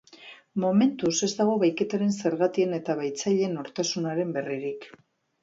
Momentuz, ez dago bahiketaren zergatien eta bahitzaileen nortasunaren berririk.